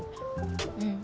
うん。